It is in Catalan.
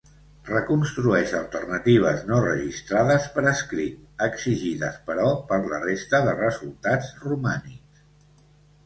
Reconstrueix alternatives no registrades per escrit, exigides però per la resta de resultats romànics.